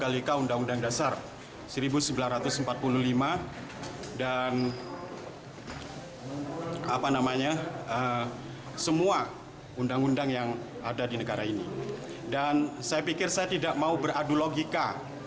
dua pemersiaan yang adil dan berada